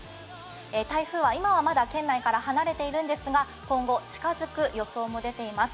台風は今はまだ県内から離れているんですが今後、近づく予想も出ています。